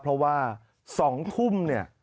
เพราะว่า๒ทุ่ม